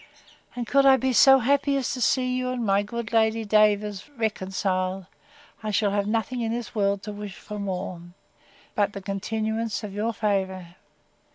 And could I be so happy as to see you and my good Lady Davers reconciled, I have nothing in this world to wish for more, but the continuance of your favour.